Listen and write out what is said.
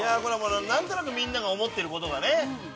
何となくみんなが思ってることがね。